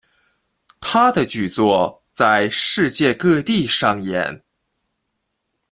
他的剧作在世界各地上演。